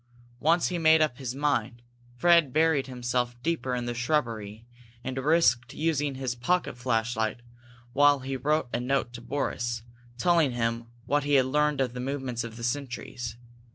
Once he had made up his mind, Fred buried himself deeper in the shrubbery and risked using his pocket flashlight while he wrote a note to Boris, telling him what he had learned of the movements of the sentries.